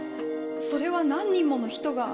それは何人もの人が。